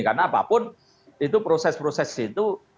karena apapun itu proses proses itu dugaan komunikasi itu tidak ada